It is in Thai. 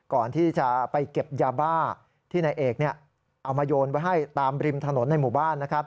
ก่อนที่จะไปเก็บยาบ้าที่นายเอกเอามาโยนไว้ให้ตามริมถนนในหมู่บ้านนะครับ